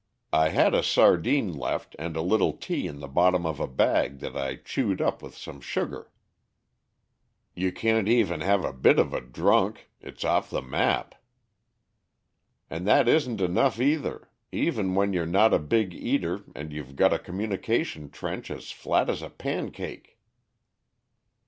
I had a sardine left, and a little tea in the bottom of a bag that I chewed up with some sugar." "You can't even have a bit of a drunk it's off the map." "And that isn't enough either, even when you're not a big eater and you're got a communication trench as flat as a pancake."